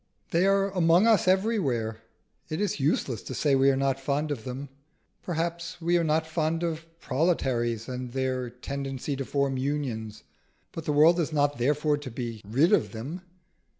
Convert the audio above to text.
They are among us everywhere: it is useless to say we are not fond of them. Perhaps we are not fond of proletaries and their tendency to form Unions, but the world is not therefore to be rid of them.